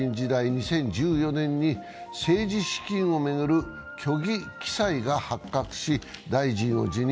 ２０１４年に、政治資金を巡る虚偽記載が発覚し大臣を辞任。